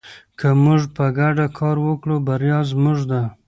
که موږ په ګډه کار وکړو بریا زموږ ده.